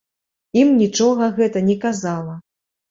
Ім нічога гэта не казала.